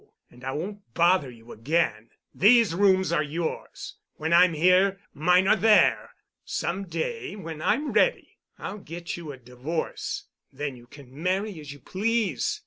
And I won't bother you again. These rooms are yours. When I'm here, mine are there. Some day when I'm ready I'll get you a divorce. Then you can marry as you please.